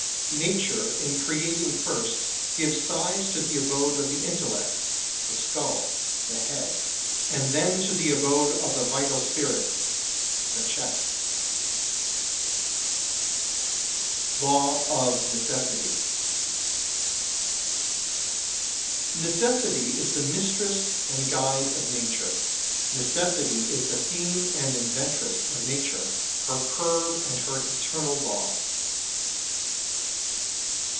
50. Nature in creating first gives size to the abode of the intellect (the skull, the head), and then to the abode of the vital spirit (the chest). [Sidenote: Law of Necessity] 51. Necessity is the mistress and guide of nature. Necessity is the theme and inventress of nature, her curb and her eternal law.